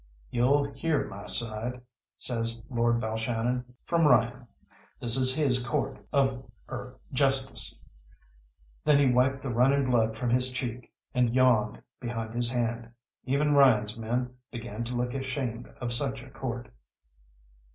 "You'll hear my side," says Lord Balshannon, "from Ryan. This is his court of er justice." Then he wiped the running blood from his cheek, and yawned behind his hand. Even Ryan's men began to look ashamed of such a court.